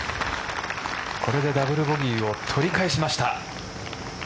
これでダブルボギーを取り返しました。